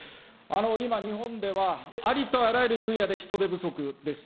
今、日本ではありとあらゆる分野で人手不足です。